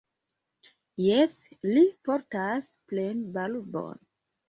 Jes, li portas plenbarbon.